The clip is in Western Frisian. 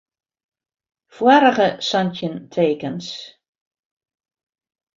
Foarige santjin tekens.